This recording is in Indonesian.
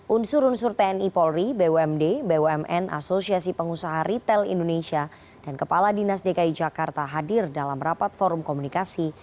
unsur unsur tni polri bumd bumn asosiasi pengusaha retail indonesia dan kepala dinas dki jakarta hadir dalam rapat forum komunikasi